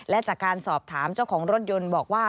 และจากการสอบถามเจ้าของรถยนต์บอกว่า